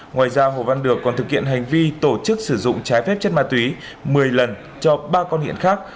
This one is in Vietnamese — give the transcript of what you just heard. ngoài ra hồ văn được còn thực hiện hành vi tổ chức sử dụng trái phép chất ma túy một mươi lần cho ba con nghiện khác